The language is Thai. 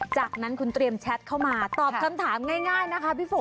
จากนั้นคุณเตรียมแชทเข้ามาตอบคำถามง่ายนะคะพี่ฝน